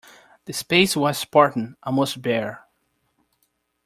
The space was spartan, almost bare.